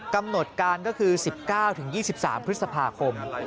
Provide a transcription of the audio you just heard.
กำหนดการก็คือ๑๙๒๓พฤษภาคม